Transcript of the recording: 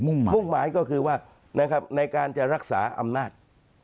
มุ่งหมายก็คือว่านะครับในการจะรักษาอำนาจ